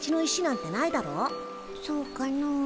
そうかの？